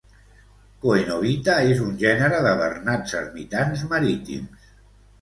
Coenobita és un gènere de bernats ermitans marítims.